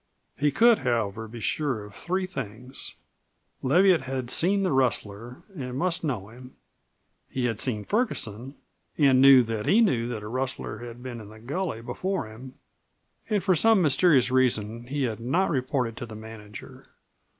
He could, however, be sure of three things. Leviatt had seen the rustler and must know him; he had seen Ferguson, and knew that he knew that a rustler had been in the gully before him; and for some mysterious reason he had not reported to the manager.